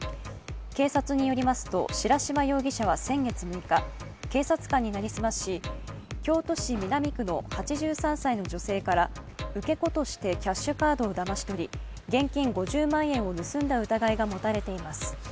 警察によりますと白島容疑者は先月６日、警察官になりすまし京都市南区の８３歳の女性から受け子としてキャッシュカードをだまし取り現金５０万円を盗んだ疑いが持たれています。